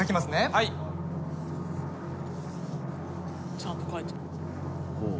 ちゃんと描いてる。